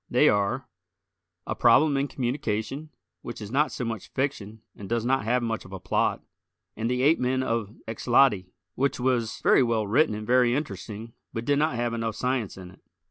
They are: "A Problem in Communication," which is not so much fiction and does not have much of a plot, and "The Ape men of Xloti," which was very well written and very interesting, but did not have enough science in it.